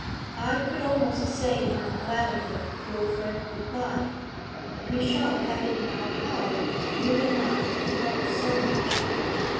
'I could almost say I am glad of it,' Wilfrid replied. 'We shall have it in our power, you and I, to help so much.'